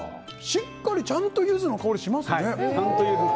しっかりちゃんとユズの香りしますね。